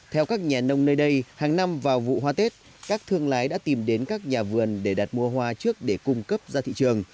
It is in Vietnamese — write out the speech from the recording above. theo các nhà nông nơi đây hàng năm vào vụ hoa tết các thương lái đã tìm đến các nhà vườn để đặt mua hoa trước để cung cấp ra thị trường